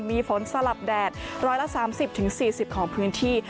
มีฝนสลับแดด๑๓๐๔๐ของพื้นที่